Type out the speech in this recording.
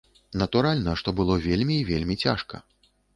Натуральна, што было вельмі і вельмі цяжка.